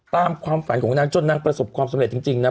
ความฝันของนางจนนางประสบความสำเร็จจริงนะ